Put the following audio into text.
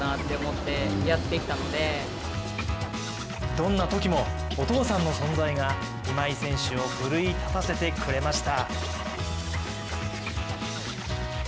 どんなときもお父さんの存在が今井選手を奮い立たせてくれました。